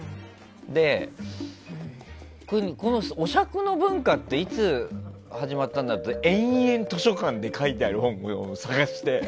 で、このお酌の文化っていつ始まったんだろうと思って延々、図書館で書いてある本を探して。